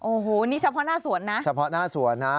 โอ้โหนี่เฉพาะหน้าสวนนะ